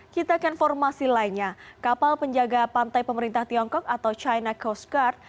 kita ke informasi lainnya kapal penjaga pantai pemerintah tiongkok atau china coast guard